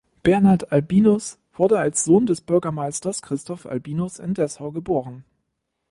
Bernhard Albinus wurde als Sohn des Bürgermeisters Christoph Albinus in Dessau geboren.